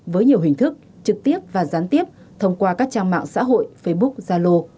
với nhiều hình thức trực tiếp và gián tiếp thông qua các trang mạng xã hội facebook zalo